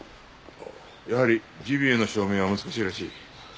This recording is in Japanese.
やはりジビエの証明は難しいらしい。